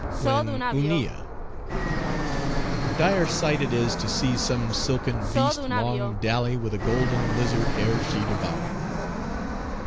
When Hunilla— Dire sight it is to see some silken beast long dally with a golden lizard ere she devour.